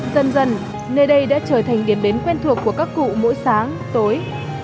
dần dần nơi đây đã trở thành điểm đến quen thuộc của các cụ mỗi sáng tối